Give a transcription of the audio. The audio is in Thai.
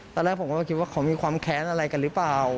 ตอนแรกผมก็คิดว่าเขามีความแค้นอะไรกันหรือเปล่า